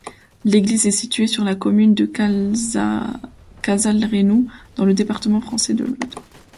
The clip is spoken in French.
L'église est située sur la commune de Cazalrenoux, dans le département français de l'Aude.